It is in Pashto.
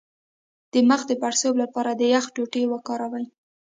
د مخ د پړسوب لپاره د یخ ټوټې وکاروئ